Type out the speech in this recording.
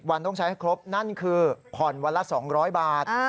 วันต้องใช้ให้ครบนั่นคือผ่อนวันละ๒๐๐บาท